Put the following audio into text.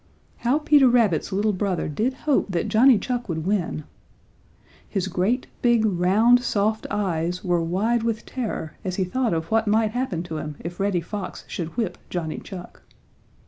How Peter Rabbit's little brother did hope that Johnny Chuck would win! His great, big, round, soft eyes were wide with terror as he thought of what might happen to him if Reddy Fox should whip Johnny Chuck.